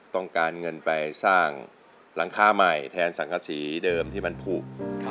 ต้องการเงินไปสร้างหลังคาใหม่แทนสังกษีเดิมที่มันผูก